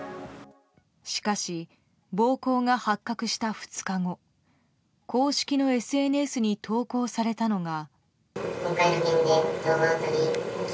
しかし、暴行が発覚した２日後公式のＳＮＳに投稿されたのが。